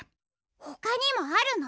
ほかにもあるの？